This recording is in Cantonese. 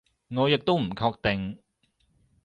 我亦都唔確定